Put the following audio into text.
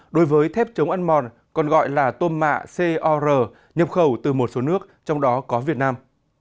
đối với thép chống ăn mòn còn gọi là tôm mạ c o r nhập khẩu từ một số nước trong đó có việt nam